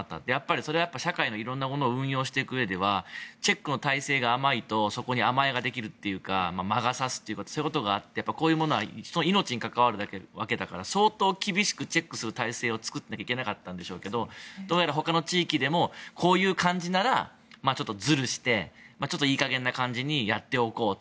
それは社会の色んなものを運用していく上ではチェックの体制が甘いとそこに甘えができるというか魔が差すというかそういうことがあってこういうものは人の命に関わるから相当厳しくチェックする体制を作らなきゃいけなかったんでしょうけどどうやらほかの地域でもこういう感じならずるして、いい加減な感じにやっておこうと。